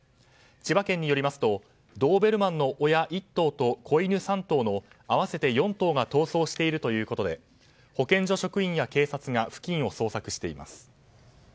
千葉県によりますとドーベルマンの親１頭と子犬３頭の合わせて４頭が逃走しているということで保健所職員や警察が付近を捜索しています。